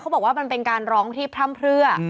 บอกว่ามันเป็นการร้องที่พร่ำเพลือ